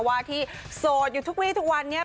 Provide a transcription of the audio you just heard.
ว่าที่โสดอยู่ทุกวีทุกวันนี้